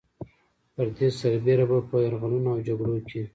پر دې سربېره به په يرغلونو او جګړو کې